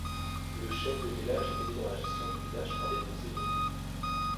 Le chef de village est aidé dans la gestion du village par des conseillers.